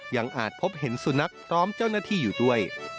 อาจพบเห็นสุนัขพร้อมเจ้าหน้าที่อยู่ด้วย